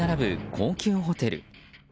高級ホテル。